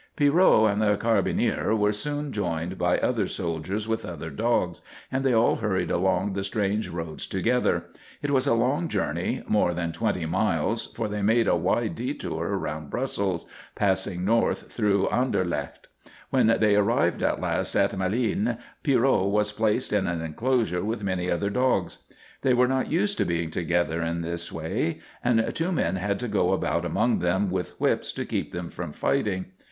Pierrot and the carbineer were soon joined by other soldiers with other dogs, and they all hurried along the strange roads together. It was a long journey, more than twenty miles, for they made a wide detour around Brussels, passing north through Anderlecht. When they arrived at last at Malines Pierrot was placed in an enclosure with many other dogs. They were not used to being together in this way, and two men had to go about among them with whips to keep them from fighting.